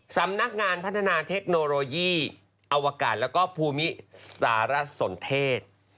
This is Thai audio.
สำนักงานพัฒนาเทคโนโลยีอวกาศแล้วก็ภูมิสารสนเทศ